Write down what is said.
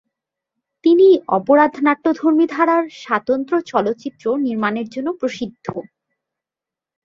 তিনি অপরাধ নাট্যধর্মী ধারার স্বাতন্ত্র্য চলচ্চিত্র নির্মাণের জন্য প্রসিদ্ধ।